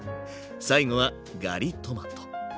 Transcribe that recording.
最後はガリトマト。